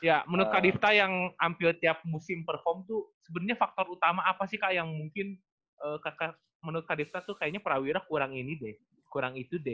ya menurut kak difta yang hampir tiap musim perform tuh sebenarnya faktor utama apa sih kak yang mungkin menurut kak difta tuh kayaknya prawira kurang ini deh kurang itu deh